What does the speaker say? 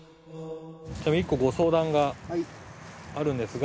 １個ご相談があるんですが。